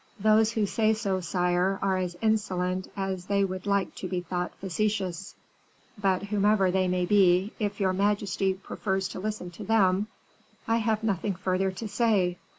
"Those who say so, sire, are as insolent as they would like to be thought facetious; but whomever they may be, if your majesty prefers to listen to them, I have nothing further to say.